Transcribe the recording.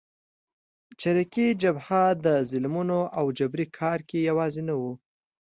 چریکي جبهه په ظلمونو او جبري کار کې یوازې نه وه.